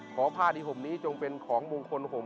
ผ้าดีห่มนี้จงเป็นของมงคลห่ม